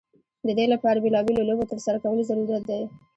د دې لپاره بیلا بېلو لوبو ترسره کول ضرورت دی.